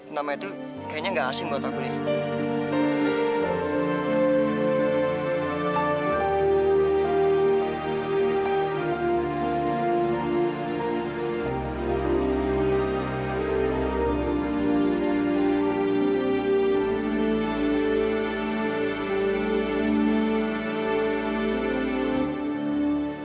nama itu kayaknya gak asing buat aku deh